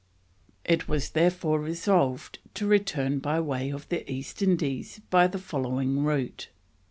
"It was therefore resolved to return by way of the East Indies by the following route.